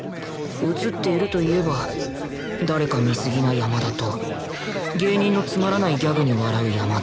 映っているといえば誰か見すぎな山田と芸人のつまらないギャグに笑う山田